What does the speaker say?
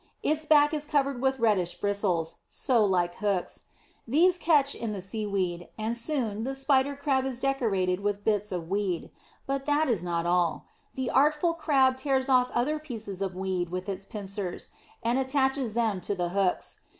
Its back is covered with reddish bristles, like so many hooks. These catch in the seaweed, and soon the Spider Crab is decorated with bits of weed. But that is not all. The artful Crab tears off other pieces of weed with its pincers, and attaches them to the hooks.